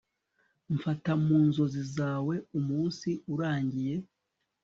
mfata mu nzozi zawe umunsi urangiye